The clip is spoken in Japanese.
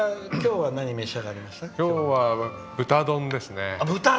今日は豚丼ですね。